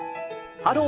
「ハロー！